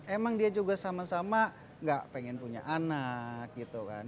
emang dia juga sama sama gak pengen punya anak gitu kan